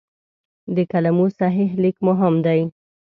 د کلمو صحیح لیک مهم دی.